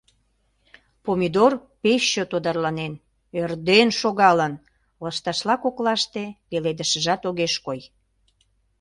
Помидор пеш чот одарланен, ӧрден шогалын, лышташла коклаште пеледышыжат огеш кой.